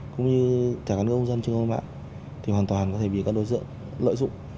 cũng như cả các ông dân trên khuôn mặt thì hoàn toàn có thể bị các đối tượng lợi dụng